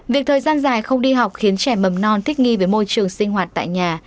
việc thời gian dài không đi học khiến trẻ mầm non thích nghi với môi trường sinh hoạt tại nhà